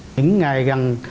những ngày gần